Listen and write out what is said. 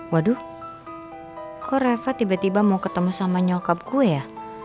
waduh kok reva tiba tiba mau ketemu sama nyokap gue ya